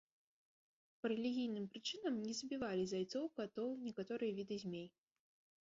Па рэлігійным прычынам не забівалі зайцоў, катоў, некаторыя віды змей.